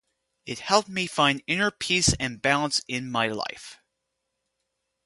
It helped me find inner peace and balance in my life.